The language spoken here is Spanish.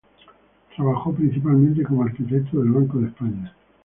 Trabajó principalmente como arquitecto del Banco de España.